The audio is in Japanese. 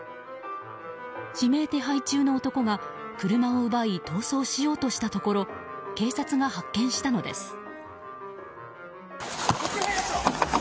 指名手配中の男が車を奪い逃走しようとしたところ警察が発見したのです。